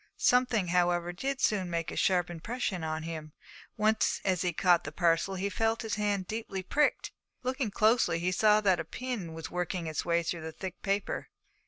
Something, however, did soon make a sharp impression upon him; once as he caught the parcel he felt his hand deeply pricked. Looking closely, he saw that a pin was working its way through the thick paper.